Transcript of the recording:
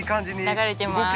流れてます。